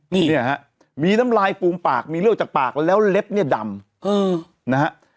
นี่เนี่ยฮะมีน้ำลายฟูมปากมีเลือดจากปากแล้วเล็บเนี่ยดำนะฮะ